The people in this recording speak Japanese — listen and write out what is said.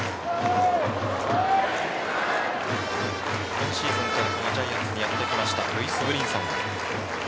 今シーズンからこのジャイアンツにやって来ましたルイス・ブリンソン。